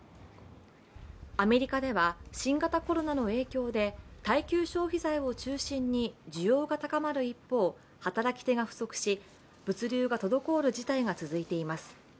アメリカでは新型コロナの影響で耐久消費財を中心に需要が高まる一方働き手が不足し、物流が滞る事態が続いています。